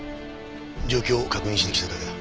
状況を確認しに来ただけだ。